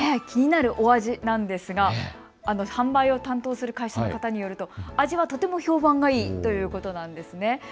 気になるお味なんですが販売を担当する会社の方によると味はとても評判がいいということなんです。